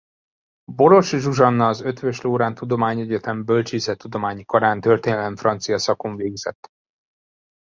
Boros Zsuzsanna az Eötvös Loránd Tudományegyetem Bölcsészettudományi Karán történelem-francia szakon végzett.